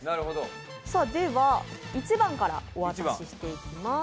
では、１番からお渡ししていきます。